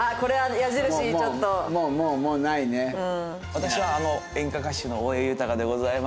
私は演歌歌手の大江裕でございます。